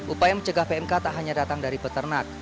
upaya mencegah pmk tak hanya datang dari peternak